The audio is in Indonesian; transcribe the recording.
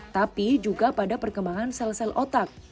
tapi juga pada perkembangan sel sel otak